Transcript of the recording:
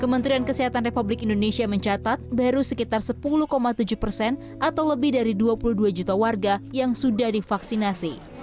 kementerian kesehatan republik indonesia mencatat baru sekitar sepuluh tujuh persen atau lebih dari dua puluh dua juta warga yang sudah divaksinasi